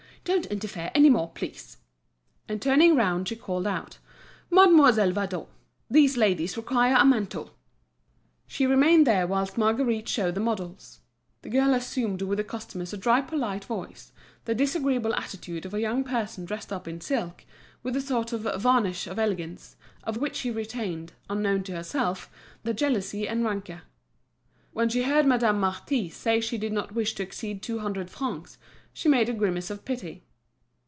Don't interfere any more, please." And turning round she called out: "Mademoiselle Vadon, these ladies require a mantle!" She remained there whilst Marguerite showed the models. The girl assumed with the customers a dry polite voice, the disagreeable attitude of a young person dressed up in silk, with a sort of varnish of elegance, of which she retained, unknown to herself, the jealousy and rancour. When she heard Madame Marty say she did not wish to exceed two hundred francs, she made a grimace of pity.